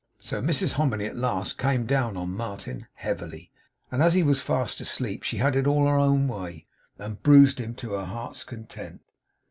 So Mrs Hominy at last came down on Martin heavily, and as he was fast asleep, she had it all her own way, and bruised him to her heart's content.